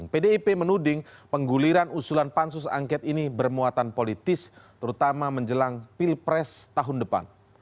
pdip menuding pengguliran usulan pansus angket ini bermuatan politis terutama menjelang pilpres tahun depan